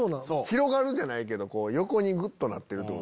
広がるじゃないけど横にグッとなってる。